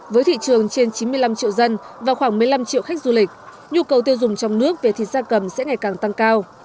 với thị trường trên chín mươi năm triệu dân và khoảng một mươi năm triệu khách du lịch nhu cầu tiêu dùng trong nước về thịt da cầm sẽ ngày càng tăng cao